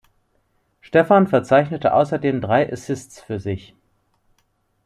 Stephan verzeichnete außerdem drei Assists für sich.